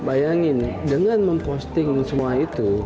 bayangin dengan memposting semua itu